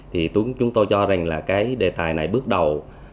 thì chúng tôi cho rằng là cái đề tài này bước đầu